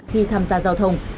khi tham gia giao thông